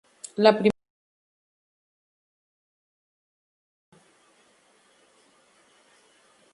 La primera estrofa es quizás la única conocida y cantada.